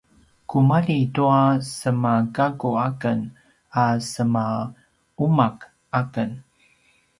kumalji tua semagakku aken a semauma’ aken